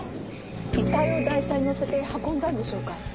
遺体を台車に載せて運んだんでしょうか？